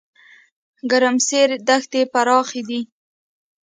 ګرمسیر دښتې پراخې دي؟